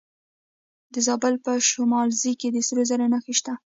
د زابل په شمولزای کې د سرو زرو نښې شته.